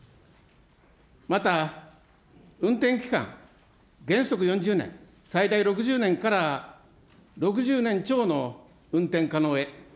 また運転期間、原則４０年、最大６０年から、６０年超の運転可能へ。